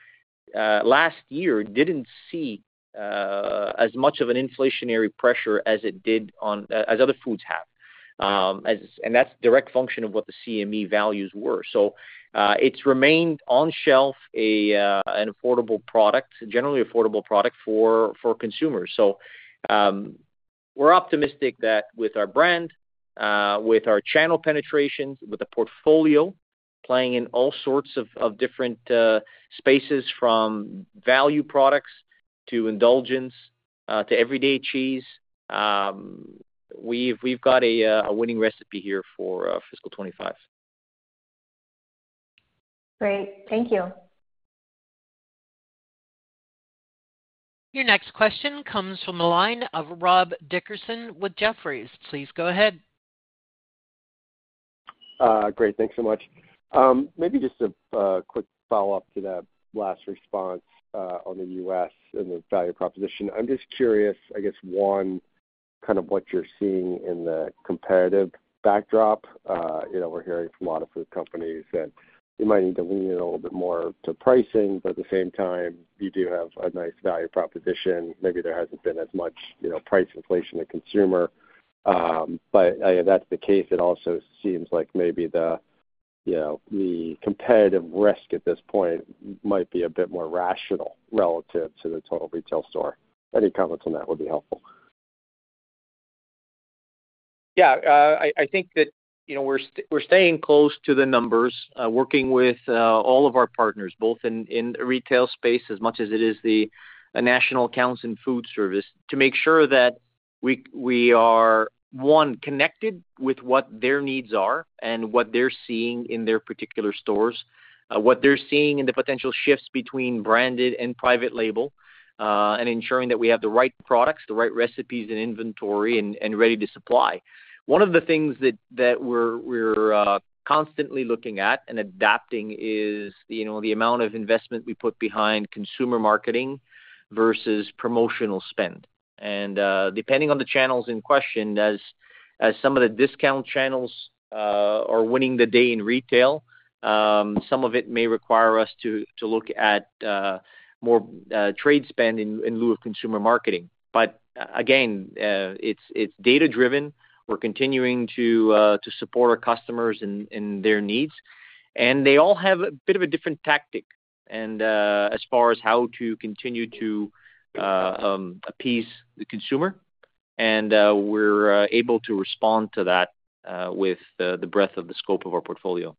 last year didn't see as much of an inflationary pressure as it did on as other foods have. And that's a direct function of what the CME values were. So it's remained on shelf an affordable product, generally affordable product for consumers. So we're optimistic that with our brand, with our channel penetrations, with the portfolio playing in all sorts of different spaces from value products to indulgence to everyday cheese, we've got a winning recipe here for fiscal 2025. Great. Thank you. Your next question comes from the line of Rob Dickerson with Jefferies. Please go ahead. Great. Thanks so much. Maybe just a quick follow-up to that last response on the U.S. and the value proposition. I'm just curious, I guess, one, kind of what you're seeing in the competitive backdrop. We're hearing from a lot of food companies that you might need to lean in a little bit more to pricing, but at the same time, you do have a nice value proposition. Maybe there hasn't been as much price inflation to consumer. But that's the case. It also seems like maybe the competitive risk at this point might be a bit more rational relative to the total retail store. Any comments on that would be helpful. Yeah. I think that we're staying close to the numbers, working with all of our partners, both in the retail space as much as it is the national accounts and food service, to make sure that we are, one, connected with what their needs are and what they're seeing in their particular stores, what they're seeing in the potential shifts between branded and private label, and ensuring that we have the right products, the right recipes and inventory, and ready to supply. One of the things that we're constantly looking at and adapting is the amount of investment we put behind consumer marketing versus promotional spend. And depending on the channels in question, as some of the discount channels are winning the day in retail, some of it may require us to look at more trade spend in lieu of consumer marketing. But again, it's data-driven. We're continuing to support our customers and their needs. They all have a bit of a different tactic as far as how to continue to appease the consumer. We're able to respond to that with the breadth of the scope of our portfolio.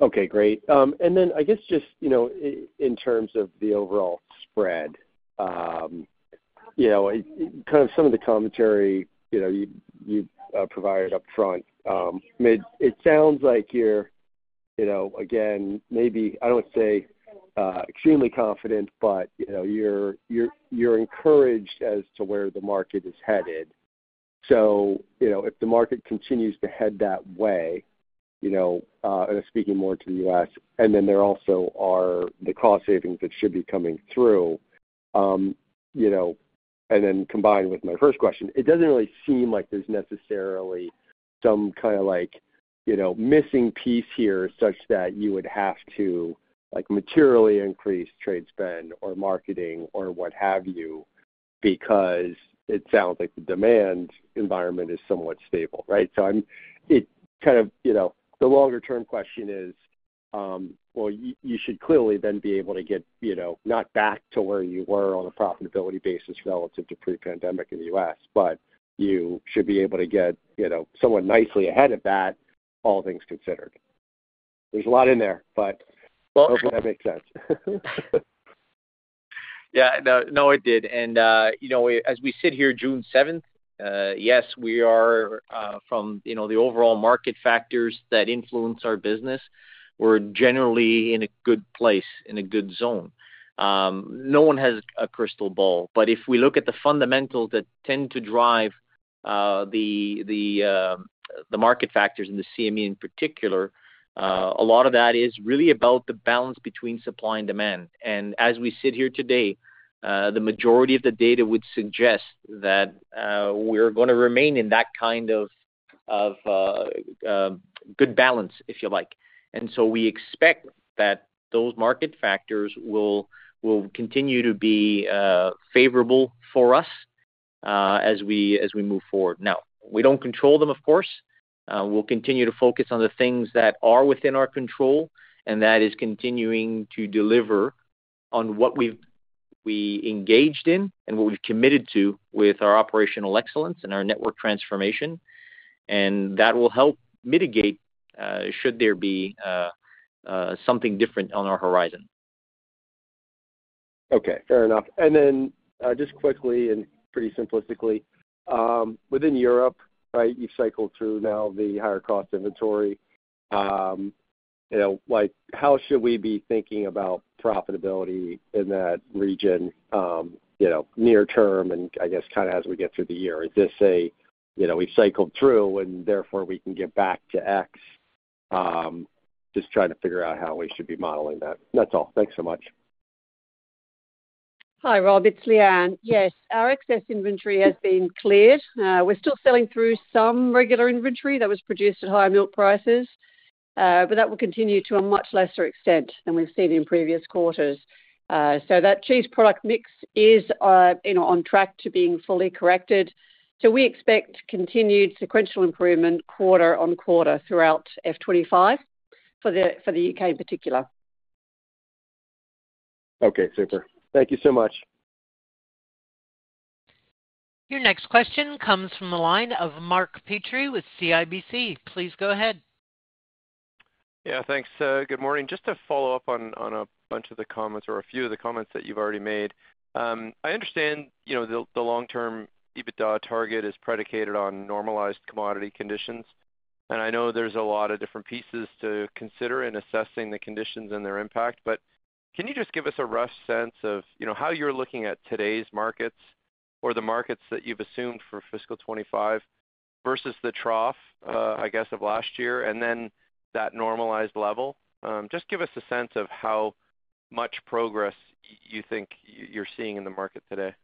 Okay. Great. And then I guess just in terms of the overall spread, kind of some of the commentary you provided upfront, it sounds like you're, again, maybe, I don't want to say extremely confident, but you're encouraged as to where the market is headed. So if the market continues to head that way, and I'm speaking more to the U.S., and then there also are the cost savings that should be coming through, and then combined with my first question, it doesn't really seem like there's necessarily some kind of missing piece here such that you would have to materially increase trade spend or marketing or what have you because it sounds like the demand environment is somewhat stable, right? So it kind of the longer-term question is, well, you should clearly then be able to get not back to where you were on a profitability basis relative to pre-pandemic in the U.S., but you should be able to get somewhat nicely ahead of that, all things considered. There's a lot in there, but hopefully that makes sense. Yeah. No, it did. And as we sit here, June 7th, yes, we are from the overall market factors that influence our business, we're generally in a good place, in a good zone. No one has a crystal ball. But if we look at the fundamentals that tend to drive the market factors and the CME in particular, a lot of that is really about the balance between supply and demand. And as we sit here today, the majority of the data would suggest that we're going to remain in that kind of good balance, if you like. And so we expect that those market factors will continue to be favorable for us as we move forward. Now, we don't control them, of course. We'll continue to focus on the things that are within our control, and that is continuing to deliver on what we've engaged in and what we've committed to with our operational excellence and our network transformation. That will help mitigate should there be something different on our horizon. Okay. Fair enough. Just quickly and pretty simplistically, within Europe, right, you've cycled through now the higher cost inventory. How should we be thinking about profitability in that region near term and, I guess, kind of as we get through the year? Is this a, we've cycled through and therefore we can get back to X, just trying to figure out how we should be modeling that? That's all. Thanks so much. Hi, Rob. It's Leanne. Yes, our excess inventory has been cleared. We're still selling through some regular inventory that was produced at higher milk prices, but that will continue to a much lesser extent than we've seen in previous quarters. So that cheese product mix is on track to being fully corrected. So we expect continued sequential improvement quarter on quarter throughout F25 for the U.K. in particular. Okay. Super. Thank you so much. Your next question comes from the line of Mark Petrie with CIBC. Please go ahead. Yeah. Thanks. Good morning. Just to follow up on a bunch of the comments or a few of the comments that you've already made. I understand the long-term EBITDA target is predicated on normalized commodity conditions. And I know there's a lot of different pieces to consider in assessing the conditions and their impact. But can you just give us a rough sense of how you're looking at today's markets or the markets that you've assumed for fiscal 2025 versus the trough, I guess, of last year and then that normalized level? Just give us a sense of how much progress you think you're seeing in the market today.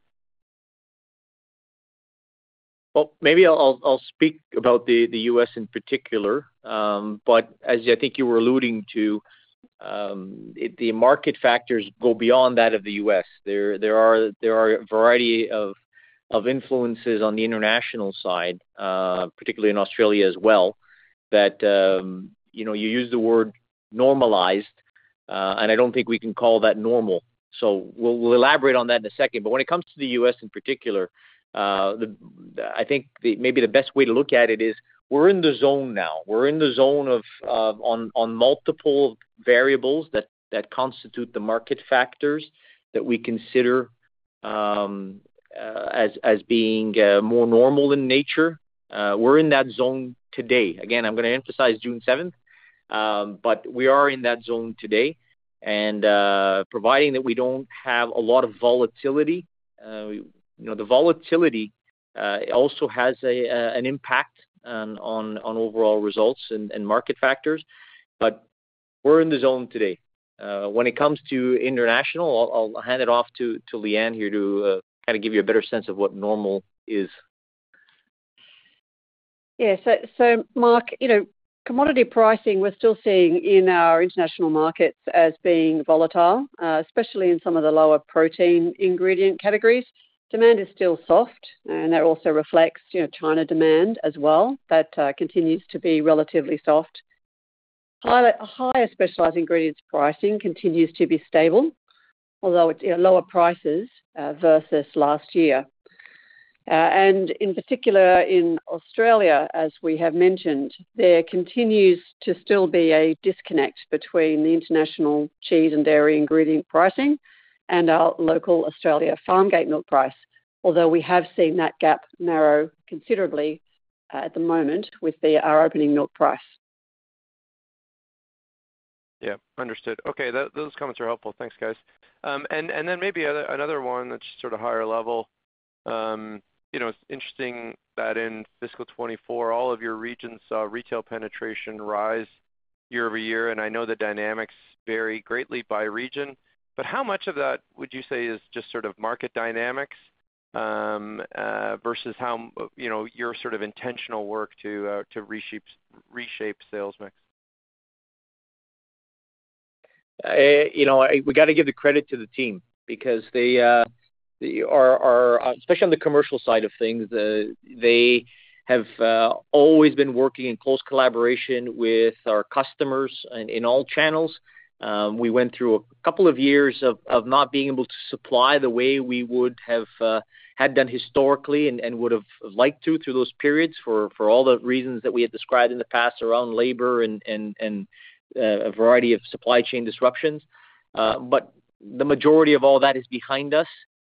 Well, maybe I'll speak about the U.S. in particular. As I think you were alluding to, the market factors go beyond that of the U.S. There are a variety of influences on the international side, particularly in Australia as well, that you use the word normalized. I don't think we can call that normal. We'll elaborate on that in a second. When it comes to the U.S. in particular, I think maybe the best way to look at it is we're in the zone now. We're in the zone on multiple variables that constitute the market factors that we consider as being more normal in nature. We're in that zone today. Again, I'm going to emphasize June 7th, but we are in that zone today. Providing that we don't have a lot of volatility, the volatility also has an impact on overall results and market factors. We're in the zone today. When it comes to international, I'll hand it off to Leanne here to kind of give you a better sense of what normal is. Yeah. So Mark, commodity pricing, we're still seeing in our international markets as being volatile, especially in some of the lower protein ingredient categories. Demand is still soft, and that also reflects China demand as well that continues to be relatively soft. Higher specialized ingredients pricing continues to be stable, although it's lower prices versus last year. In particular, in Australia, as we have mentioned, there continues to still be a disconnect between the international cheese and dairy ingredient pricing and our local Australia farm gate milk price, although we have seen that gap narrow considerably at the moment with our opening milk price. Yeah. Understood. Okay. Those comments are helpful. Thanks, guys. And then maybe another one that's sort of higher level. It's interesting that in fiscal 2024, all of your regions saw retail penetration rise year-over-year. And I know the dynamics vary greatly by region. But how much of that would you say is just sort of market dynamics versus your sort of intentional work to reshape sales mix? We got to give the credit to the team because they are, especially on the commercial side of things, they have always been working in close collaboration with our customers in all channels. We went through a couple of years of not being able to supply the way we would have had done historically and would have liked to through those periods for all the reasons that we had described in the past around labor and a variety of supply chain disruptions. But the majority of all that is behind us,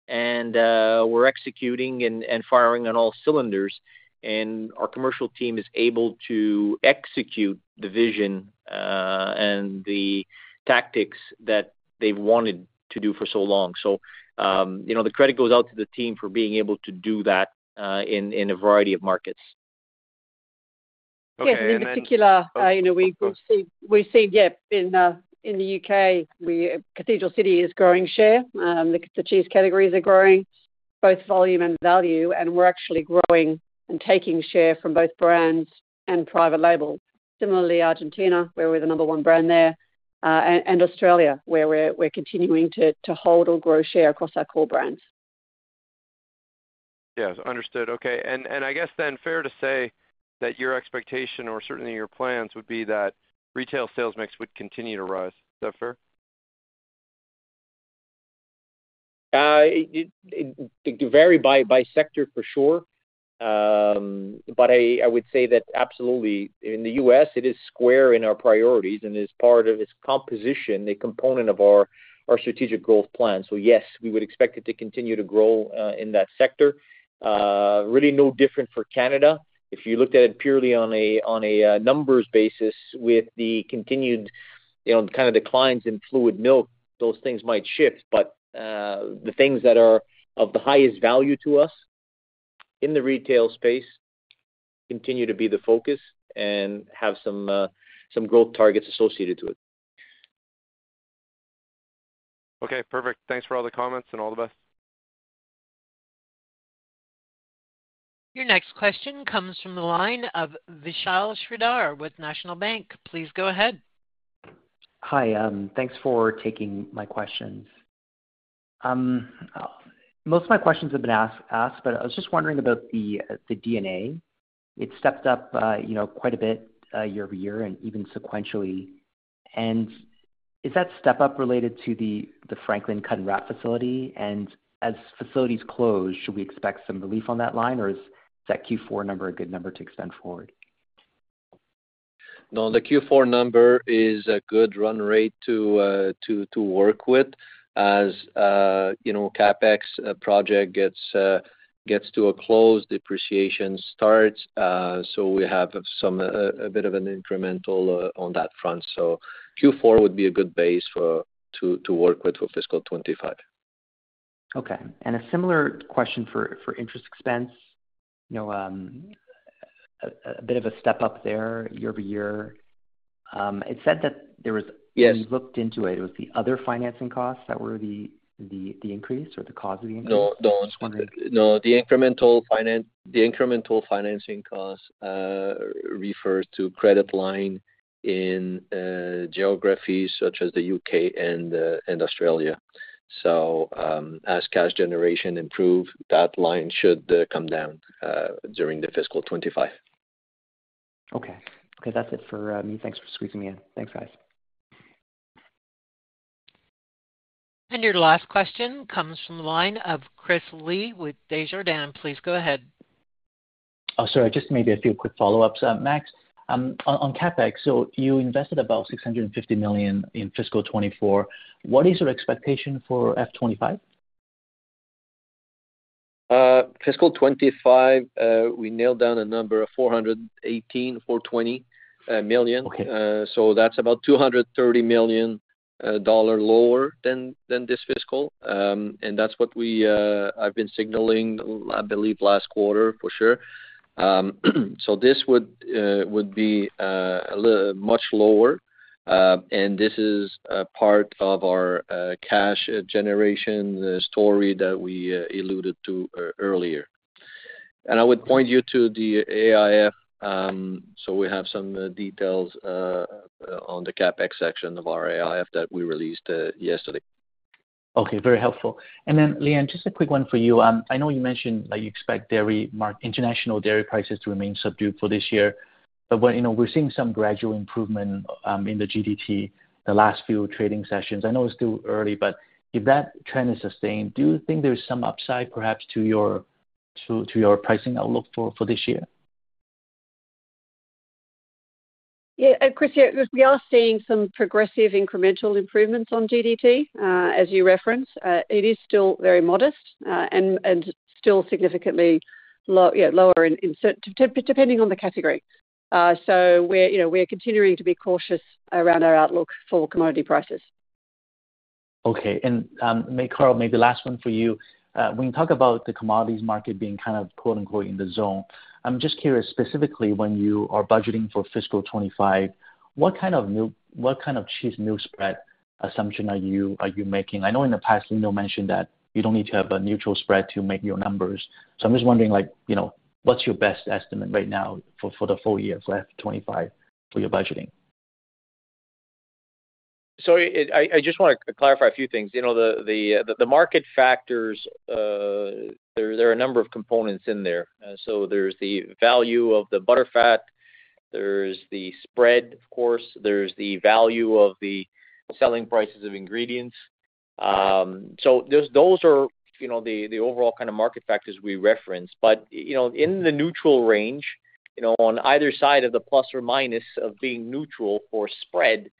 and we're executing and firing on all cylinders. And our commercial team is able to execute the vision and the tactics that they've wanted to do for so long. So the credit goes out to the team for being able to do that in a variety of markets. Yeah. In particular, we've seen in the U.K., Cathedral City is growing share. The cheese categories are growing, both volume and value. And we're actually growing and taking share from both brands and private labels. Similarly, Argentina, where we're the number one brand there, and Australia, where we're continuing to hold or grow share across our core brands. Yeah. Understood. Okay. And I guess then fair to say that your expectation, or certainly your plans, would be that retail sales mix would continue to rise. Is that fair? It could vary by sector for sure. But I would say that absolutely, in the U.S., it is square in our priorities and is part of its composition, a component of our strategic growth plan. So yes, we would expect it to continue to grow in that sector. Really no different for Canada. If you looked at it purely on a numbers basis with the continued kind of declines in fluid milk, those things might shift. But the things that are of the highest value to us in the retail space continue to be the focus and have some growth targets associated to it. Okay. Perfect. Thanks for all the comments and all the best. Your next question comes from the line of Vishal Shreedhar with National Bank Financial. Please go ahead. Hi. Thanks for taking my questions. Most of my questions have been asked, but I was just wondering about the D&A. It stepped up quite a bit year-over-year and even sequentially. And is that step-up related to the Franklin cut-and-wrap facility? And as facilities close, should we expect some relief on that line, or is that Q4 number a good number to extend forward? No, the Q4 number is a good run rate to work with as CapEx project gets to a close, depreciation starts. So we have a bit of an incremental on that front. So Q4 would be a good base to work with for fiscal 2025. Okay. A similar question for interest expense, a bit of a step-up there year-over-year. It said that there was, when you looked into it, it was the other financing costs that were the increase or the cause of the increase? No, no. Just wondering. No, the incremental financing costs refer to credit line in geographies such as the U.K. and Australia. So as cash generation improves, that line should come down during the fiscal 2025. Okay. Okay. That's it for me. Thanks for squeezing me in. Thanks, guys. Your last question comes from the line of Chris Li with Desjardins. Please go ahead. Oh, sorry. Just maybe a few quick follow-ups. Max, on CapEx, so you invested about 650 million in fiscal 2024. What is your expectation for fiscal 2025? Fiscal 2025, we nailed down a number of 418 million-420 million. So that's about 230 million dollar lower than this fiscal. And that's what I've been signaling, I believe, last quarter for sure. So this would be much lower. And this is part of our cash generation story that we alluded to earlier. And I would point you to the AIF so we have some details on the CapEx section of our AIF that we released yesterday. Okay. Very helpful. And then, Leanne, just a quick one for you. I know you mentioned that you expect international dairy prices to remain subdued for this year. But we're seeing some gradual improvement in the GDT the last few trading sessions. I know it's still early, but if that trend is sustained, do you think there's some upside perhaps to your pricing outlook for this year? Yeah. Chris, yeah, we are seeing some progressive incremental improvements on GDT, as you referenced. It is still very modest and still significantly lower depending on the category. So we're continuing to be cautious around our outlook for commodity prices. Okay. And Carl, maybe last one for you. When you talk about the commodities market being kind of "in the zone," I'm just curious specifically when you are budgeting for fiscal 2025, what kind of cheese milk spread assumption are you making? I know in the past, Leanne mentioned that you don't need to have a neutral spread to make your numbers. So I'm just wondering, what's your best estimate right now for the full year for 2025 for your budgeting? So I just want to clarify a few things. The market factors, there are a number of components in there. So there's the value of the butterfat, there's the spread, of course, there's the value of the selling prices of ingredients. So those are the overall kind of market factors we reference. But in the neutral range, on either side of the plus or minus of being neutral for spread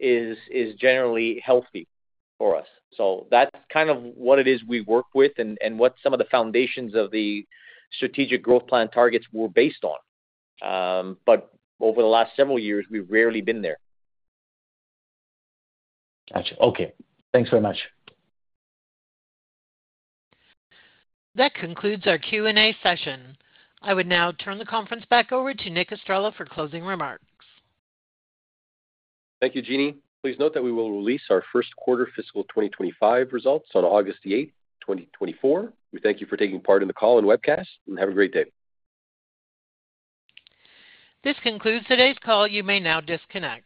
is generally healthy for us. So that's kind of what it is we work with and what some of the foundations of the strategic growth plan targets were based on. But over the last several years, we've rarely been there. Gotcha. Okay. Thanks very much. That concludes our Q&A session. I would now turn the conference back over to Nick Estrela for closing remarks. Thank you, Jeannie. Please note that we will release our first quarter fiscal 2025 results on August 8th, 2024. We thank you for taking part in the call and webcast, and have a great day. This concludes today's call. You may now disconnect.